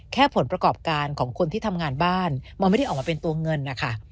ผลประกอบการของคนที่ทำงานบ้านมันไม่ได้ออกมาเป็นตัวเงินนะคะ